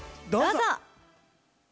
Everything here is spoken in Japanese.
どうぞ！